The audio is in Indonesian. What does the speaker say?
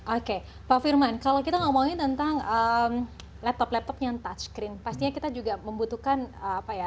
oke pak firman kalau kita ngomongin tentang laptop laptop yang touch screen pastinya kita juga membutuhkan apa ya